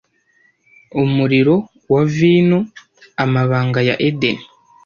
Umuriro na vino, amabanga ya Edeni